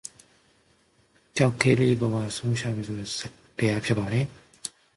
The wood is moderately hard, durable and highly resinous.